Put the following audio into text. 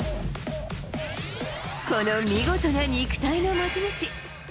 この見事な肉体の持ち主。